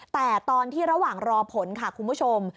แต่ตอนที่ระหว่างรอผลค่ะคุณผู้ชม